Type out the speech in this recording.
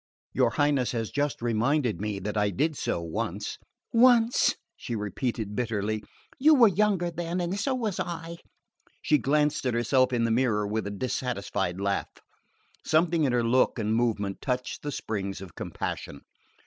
"Your Highness has just reminded me that I did so once " "Once!" she repeated bitterly. "You were younger then and so was I!" She glanced at herself in the mirror with a dissatisfied laugh. Something in her look and movement touched the springs of compassion.